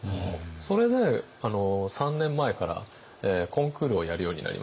それで３年前からコンクールをやるようになりまして。